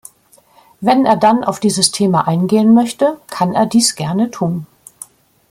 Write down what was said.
Wenn er dann auf dieses Thema eingehen möchte, kann er dies gerne tun.